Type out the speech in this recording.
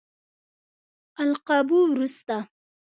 القابو وروسته.